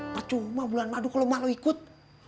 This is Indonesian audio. percuma bulan madu kalau mak lo ikut